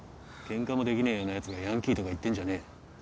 ケンカもできねえようなやつがヤンキーとか言ってんじゃねえよ。